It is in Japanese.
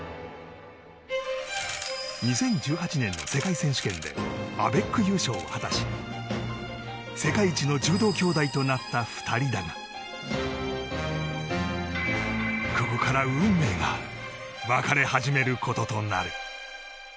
２０１８年の世界選手権でアベック優勝を果たし世界一の柔道兄妹となった２人だがここから運命が分かれ始めることとなる。